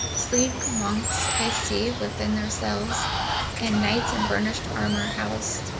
Sleek monks I see within their cells, And knights in burnished armor housed.